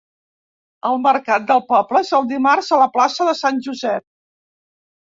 El mercat del poble és el dimarts a la plaça de Sant Josep.